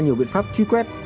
nhiều biện pháp truy quét